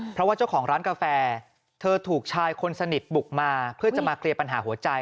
เพราะว่าเจ้าของร้านกาแฟเธอถูกชายคนสนิทบุกมาเพื่อจะมาเคลียร์ปัญหาหัวใจ